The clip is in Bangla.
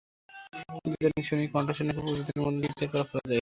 কিন্তু ইদানীং শুনি কণ্ঠস্বরও নাকি প্রযুক্তির মাধ্যমে ঠিকঠাক করে ফেলা যায়।